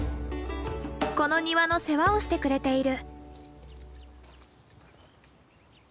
この庭の世話をしてくれている。